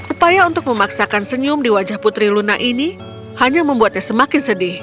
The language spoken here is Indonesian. upaya untuk memaksakan senyum di wajah putri luna ini hanya membuatnya semakin sedih